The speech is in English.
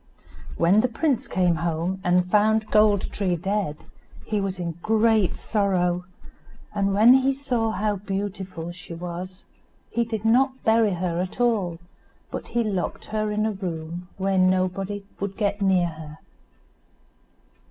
When the prince came home, and found Gold tree dead, he was in great sorrow, and when he saw how beautiful she was, he did not bury her at all, but he locked her in a room where nobody would get near her.